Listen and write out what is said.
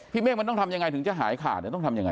เมฆมันต้องทำยังไงถึงจะหายขาดต้องทำยังไง